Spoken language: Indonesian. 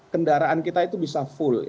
kendaraan kita itu bisa full